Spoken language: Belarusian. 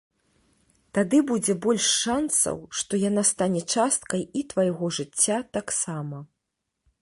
Тады будзе больш шанцаў, што яна стане часткай і твайго жыцця таксама.